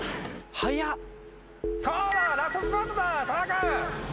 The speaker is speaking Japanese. さぁラストスパートだ田中！